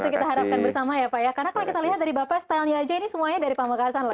karena kita lihat dari bapak stylenya ini semuanya dari pamekasan